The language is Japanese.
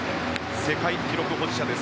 世界記録保持者です